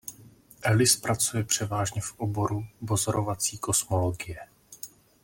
Ellis pracuje převážně v oboru pozorovací kosmologie.